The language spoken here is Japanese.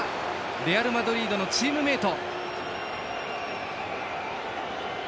レアルマドリードのチームメート。